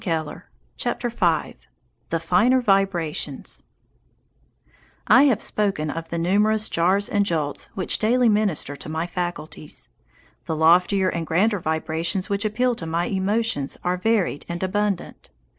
THE FINER VIBRATIONS V THE FINER VIBRATIONS I HAVE spoken of the numerous jars and jolts which daily minister to my faculties. The loftier and grander vibrations which appeal to my emotions are varied and abundant.